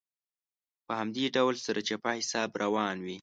په همدې ډول سرچپه حساب روان وي.